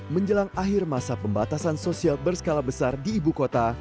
menjelang akhir masa pembatasan sosial berskala besar di ibu kota